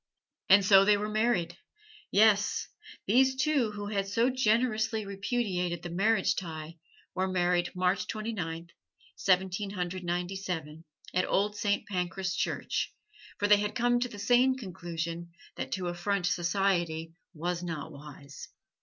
And so they were married; yes, these two who had so generously repudiated the marriage tie were married March Twenty ninth, Seventeen Hundred Ninety seven, at Old Saint Pancras Church, for they had come to the sane conclusion that to affront society was not wise.